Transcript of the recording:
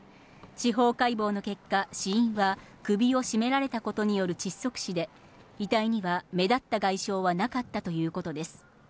司法解剖の結果、死因は首を絞められたことによる窒息死で、遺体には目立った外傷はなかったということです。